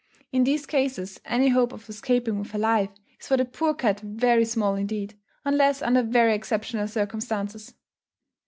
In these cases any hope of escaping with her life, is for the poor cat very small indeed, unless under very exceptional circumstances.